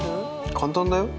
簡単だよ。